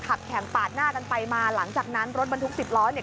ขับแข่งปาดหน้ากันไปมาหลังจากนั้นรถบรรทุกสิบล้อเนี่ย